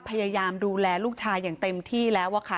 พยายามดูแลลูกชายอย่างเต็มที่แล้วอะค่ะ